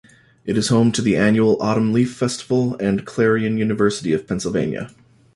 It is home to the annual Autumn Leaf Festival and Clarion University of Pennsylvania.